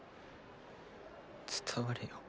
伝われよ。